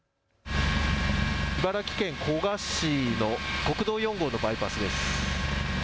茨城県古河市の国道４号のバイパスです。